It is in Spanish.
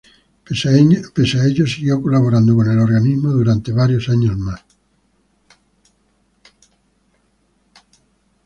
Pese a ello, siguió colaborando con el organismo durante varios años más.